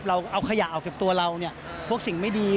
เราเอาขยะออกจากตัวเราพวกสิ่งไม่ดี